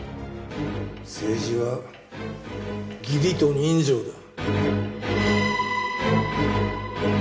政治は義理と人情だ。